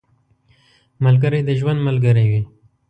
ملګری د ژوند ملګری وي